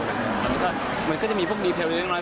ตอนนี้ก็มันก็จะมีพวกดีเทลเล็กน้อย